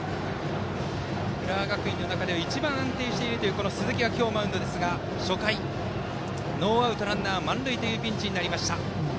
浦和学院の中では一番安定しているという鈴木が今日マウンドですが初回ノーアウトランナー満塁というピンチになりました。